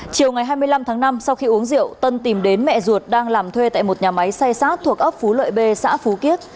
chiều ngày hai mươi năm tháng năm sau khi uống rượu tân tìm đến mẹ ruột đang làm thuê tại một nhà máy xay sát thuộc ấp phú lợi b xã phú kiết